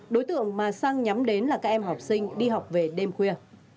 đối tượng mà sang nhắm đến là các em học sinh đi học về đêm khuya